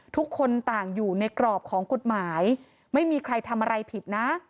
ทุกคนต่างอยู่ในกรอบของกฎหมายไม่มีใครทำอะไรผิดนะ